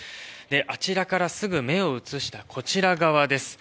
あちらからすぐ目を移したこちら側です。